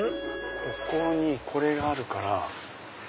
ここにこれがあるから。